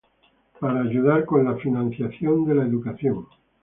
Para ayudar con el financiamiento de la educación.